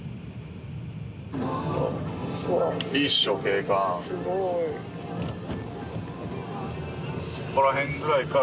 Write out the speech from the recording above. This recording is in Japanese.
・すごい。